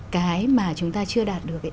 cái mà chúng ta chưa đạt được